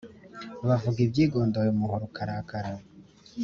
Bavuga ibyigondoye umuhoro ukarakara.